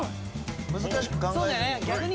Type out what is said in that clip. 難しく考えずに。